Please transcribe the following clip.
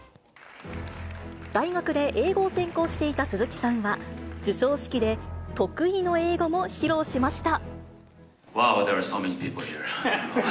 大学で英語を専攻していた鈴木さんは、授賞式で得意の英語も披露しました。